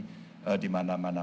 ini sedang terjadi di mana mana